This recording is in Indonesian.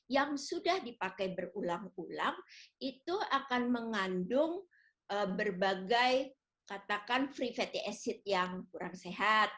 yang sudah dipakai berulang ulang itu akan mengandung berbagai katakan free fatty acid yang kurang sehat